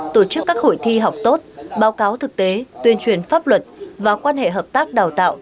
tổ chức các hội thi học tốt báo cáo thực tế tuyên truyền pháp luật và quan hệ hợp tác đào tạo